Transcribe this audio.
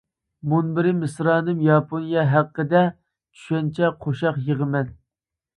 -مۇنبىرى مىسرانىم ياپونىيە ھەققىدە چۈشەنچە قوشاق يىغىمەن.